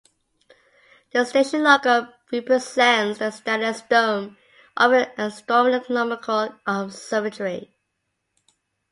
The station logo represents the stylised dome of an astronomical observatory.